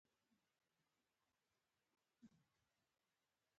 دې پوښتنې سره مې وروځې پورته کړې.